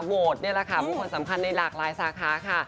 โหวตเนี่ยแหละค่ะผู้คนสำคัญในหลากหลายสาขาค่ะ